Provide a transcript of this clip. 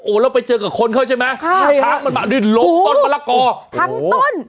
โอ้แล้วไปเจอกับคนเขาใช่ไหมช้างมันมาดึดหลบตอนปรากฎโอ้โฮทั้งต้น